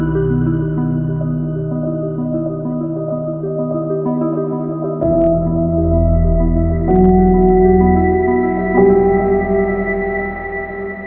โปรดติดตามตอนต่อไป